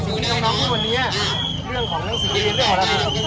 แต่มันเป็นการแสดงที่เราแตกต่างจากประเทศอื่นอีก